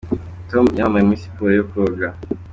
Tom yamamaye muri siporo yo koga.